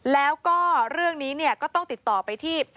แล้วก็เรื่องนี้เนี่ยก็ต้องติดต่อไปที่